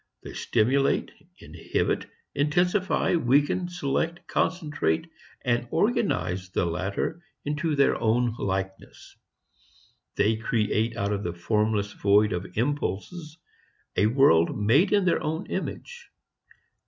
They stimulate, inhibit, intensify, weaken, select, concentrate and organize the latter into their own likeness. They create out of the formless void of impulses a world made in their own image.